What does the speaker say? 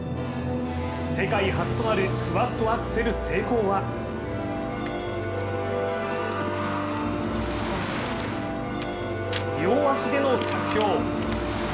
世界初となるクワッドアクセル成功は両足での着氷。